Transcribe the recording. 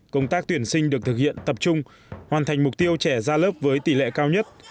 công tác tuyển sinh được thực hiện tập trung hoàn thành mục tiêu trẻ ra lớp với tỷ lệ cao nhất